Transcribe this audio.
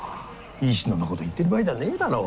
石野のこと言ってる場合じゃねえだろう。